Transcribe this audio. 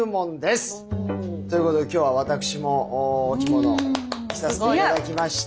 ということで今日は私もお着物を着させて頂きました。